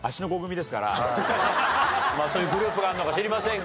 まあそういうグループがあるのか知りませんが。